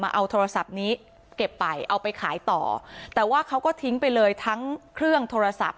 เอาโทรศัพท์นี้เก็บไปเอาไปขายต่อแต่ว่าเขาก็ทิ้งไปเลยทั้งเครื่องโทรศัพท์